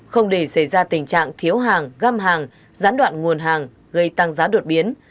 không để xảy ra tình trạng thiếu hàng găm hàng gián đoạn nguồn hàng gây tăng giá đột biến